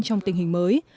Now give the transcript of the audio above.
trong tình hình mới